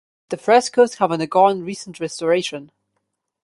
The frescoes have undergone recent restoration.